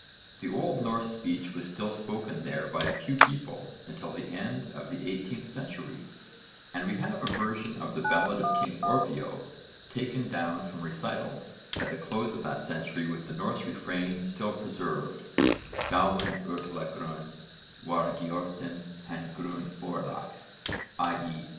The old Norse speech was still spoken there by a few people until the end of the 18th century, and we have a version of the ballad of King Orfeo taken down from recital at the close of that century with the Norse refrain still preserved 'Scowan ürla grün Whar giorten han grün oarlac,' i.e.